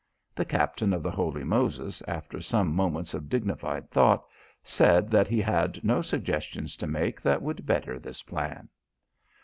The captain of the Holy Moses after some moments of dignified thought said that he had no suggestions to make that would better this plan.